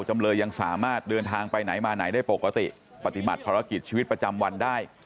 จำเลยยังสามารถเดินทางไปไหนมาไหนได้ปกติปฏิบัติภารกิจชีวิตประจำวันได้